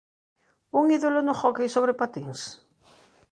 ¿Un ídolo no hóckey sobre patíns?